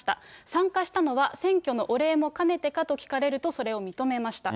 参加したのは、選挙のお礼も兼ねてかと聞くと、それを認めました。